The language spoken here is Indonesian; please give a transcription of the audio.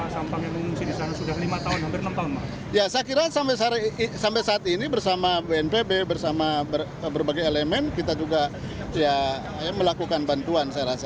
saya kira sampai saat ini bersama bnpb bersama berbagai elemen kita juga melakukan bantuan saya rasa